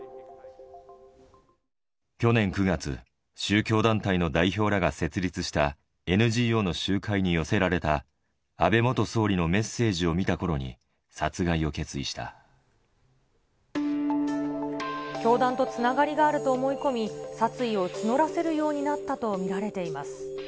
去年９月、宗教団体の代表らが設立したＮＧＯの集会に寄せられた、安倍元総理のメッセージを教団とつながりがあると思い込み、殺意を募らせるようになったと見られています。